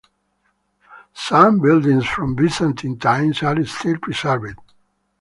Some buildings from Byzantine times are still preserved.